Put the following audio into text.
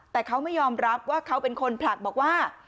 แต่เขาไม่ยอมรับว่าเขาเป็นคนผลักบอกว่า